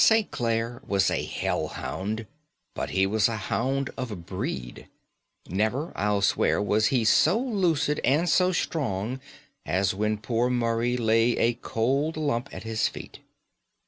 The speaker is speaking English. "St. Clare was a hell hound, but he was a hound of breed. Never, I'll swear, was he so lucid and so strong as when poor Murray lay a cold lump at his feet.